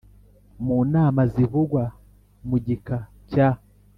Mu nama zivugwa mu gika cya